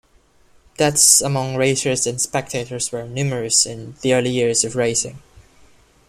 Deaths among racers and spectators were numerous in the early years of racing.